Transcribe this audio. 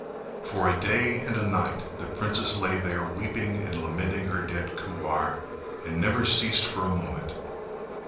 For a day and a night the princess lay there weeping and lamenting her dead Kuwar and never ceased for a moment.